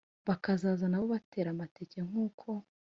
bakazaza na bo batera amateke nk’uko,